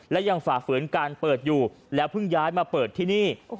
และยังฝ่าฝืนการเปิดอยู่แล้วเพิ่งย้ายมาเปิดที่นี่